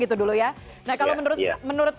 itu dulu ya nah kalau menurut